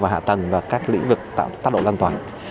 hạ tầng và các lĩnh vực tạo tác độ lan tỏa